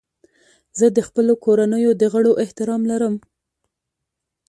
زه د خپلو کورنیو د غړو احترام لرم.